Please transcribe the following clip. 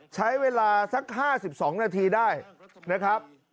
ใช้เวลาสัก๕๒นาทีได้นะครับ